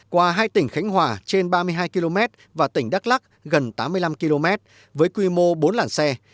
qua hai tỉnh khánh hòa trên ba mươi hai km và tỉnh đắk lắc gần tám mươi năm km với quy mô bốn làn xe